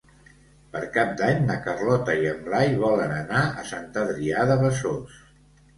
Per Cap d'Any na Carlota i en Blai volen anar a Sant Adrià de Besòs.